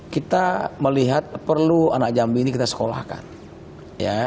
kita melihat perlu anak jambi kita sekolahkan ya dari mulai kita kirim mereka sekolah sekolah